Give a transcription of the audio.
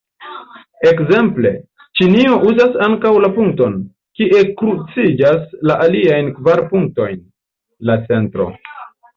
Ekzemple, Ĉinio uzas ankaŭ la punkton, kie kruciĝas la aliajn kvar punktojn: la centro.